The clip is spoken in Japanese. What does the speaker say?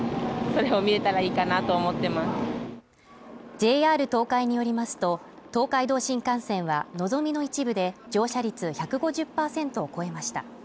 ＪＲ東海によりますと東海道新幹線はのぞみの一部で乗車率１５０％を超えました。